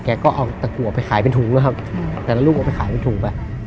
แกก็เอาตะกัวไปขายเป็นถุงนะครับแต่ละลูกออกไปขายเป็นถุงอ่ะ